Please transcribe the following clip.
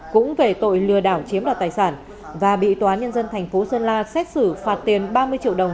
cũng về tội lừa đảo chiếm đoạt tài sản và bị tòa nhân dân thành phố sơn la xét xử phạt tiền ba mươi triệu đồng